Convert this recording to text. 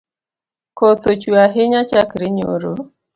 Koth ochwe ahinya chakre nyoro.